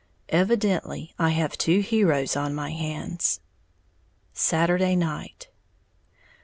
Evidently I have two heroes on my hands! _Saturday Night.